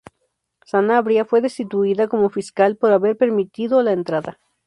Sanabria fue destituida como fiscal por haber permitido la entrada.